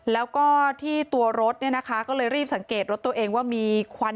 แล้วก็ที่ตัวรถเนี่ยนะคะก็เลยรีบสังเกตรถตัวเองว่ามีควัน